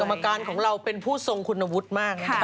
กรรมการของเราเป็นผู้ทรงคุณวุฒิมากนะครับ